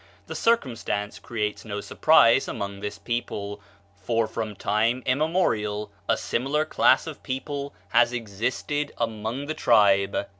The circumstance creates no surprise among this people, for from time immemorial a similar class of people has existed among the tribe."